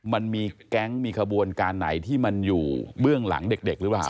มันมีแก๊งมีขบวนการไหนที่มันอยู่เบื้องหลังเด็กหรือเปล่า